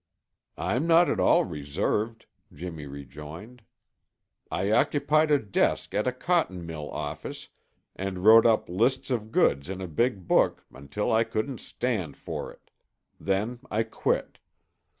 "I'm not at all reserved," Jimmy rejoined. "I occupied a desk at a cotton mill office, and wrote up lists of goods in a big book, until I couldn't stand for it. Then I quit."